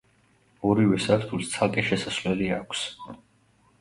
ორივე სართულს ცალკე შესასვლელი აქვს.